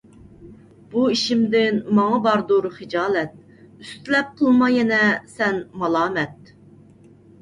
بۇ ئىشىمدىن ماڭا باردۇر خىجالەت، ئۈستىلەپ قىلما يەنە سەن مالامەت.